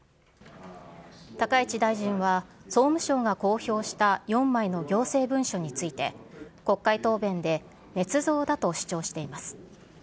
高市大臣は、総務省が公表した４枚の行政文書について、国会答弁でねつ造だと主張しています。